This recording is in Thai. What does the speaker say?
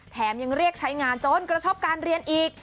ยังเรียกใช้งานจนกระทบการเรียนอีก